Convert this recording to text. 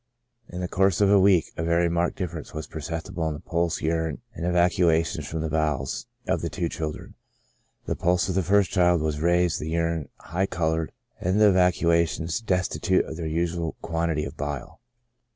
In the course of a week a very marked difference was perceptible in the pulse, urine, and evacua tions from the bowels of the two children. The pulse of the first child was raised, the urine high colored, and the evacuations destitute of their usual quantity of bile.